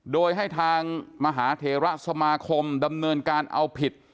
โดยให้ทางมหาเทระสมาคมดำเนินการเอาผิด